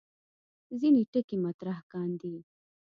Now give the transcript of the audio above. ځینې ټکي مطرح کاندي.